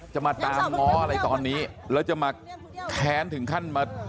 จะมาตามง้ออะไรตอนนี้แล้วจะมาแค้นถึงขั้นมา